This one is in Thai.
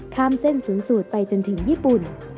ข้ามเส้นศูนย์สูตรไปจนถึงญี่ปุ่น